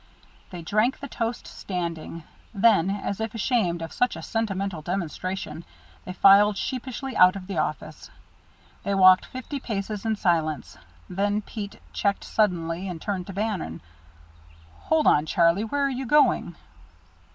They drank the toast standing; then, as if ashamed of such a sentimental demonstration, they filed sheepishly out of the office. They walked fifty paces in silence. Then Pete checked suddenly and turned to Bannon. "Hold on, Charlie, where are you going?"